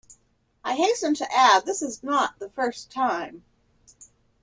I hasten to add, this is not the first time.